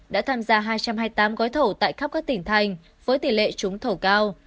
đã tham gia hai trăm hai mươi tám gói thầu tại khắp các tỉnh thành với tỷ lệ trúng thầu cao